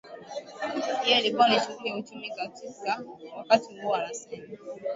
pia ilikuwa ni shughuli ya uchumi wakati huo anasema